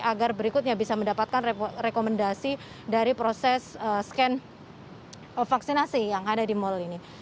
agar berikutnya bisa mendapatkan rekomendasi dari proses scan vaksinasi yang ada di mal ini